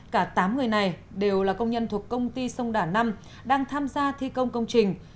cả tám người này đều là công nhân thuộc công ty sông đà năm đang tham gia thi công công trình